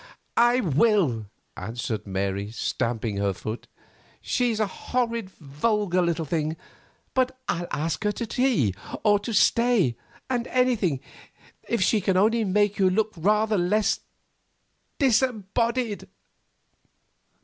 "I will," answered Mary, stamping her foot. "She's a horrid, vulgar little thing; but I'll ask her to tea, or to stay, and anything, if she can only make you look rather less disembodied."